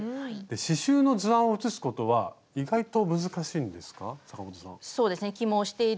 刺しゅうの図案を写すことは意外と難しいんですか？